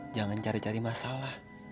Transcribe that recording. jangan cari cari masalah